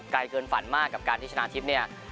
กลายเกินฝันมากกับการที่ชนะทิพย์